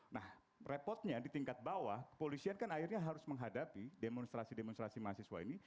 nah repotnya di tingkat bawah kepolisian kan akhirnya harus menghadapi demonstrasi demonstrasi mahasiswa ini